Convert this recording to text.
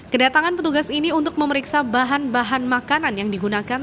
kedatangan petugas ini untuk memeriksa bahan bahan makanan yang digunakan